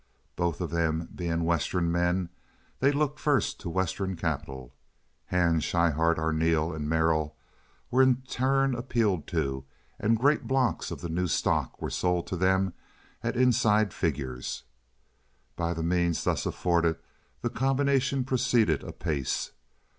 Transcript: Both of them being Western men, they looked first to Western capital. Hand, Schryhart, Arneel, and Merrill were in turn appealed to, and great blocks of the new stock were sold to them at inside figures. By the means thus afforded the combination proceeded apace.